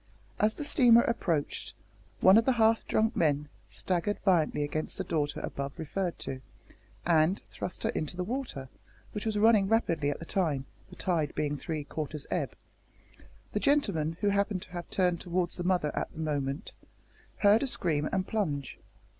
As the steamer approached, one of the half drunk men staggered violently against the daughter above referred to, and thrust her into the river, which was running rapidly at the time, the tide being three quarters ebb. The gentleman, who happened to have turned towards the mother at the moment, heard a scream and plunge.